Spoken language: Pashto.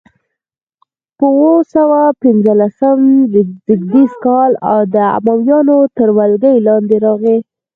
په اووه سوه پنځلسم زېږدیز کال د امویانو تر ولکې لاندې راغي.